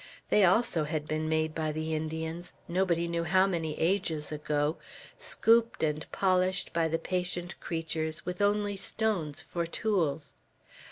They also had been made by the Indians, nobody knew how many ages ago, scooped and polished by the patient creatures, with only stones for tools.